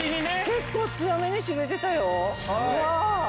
結構強めに締めてたよ。